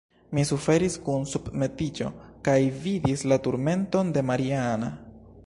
Mi suferis kun submetiĝo, kaj vidis la turmenton de Maria-Ann.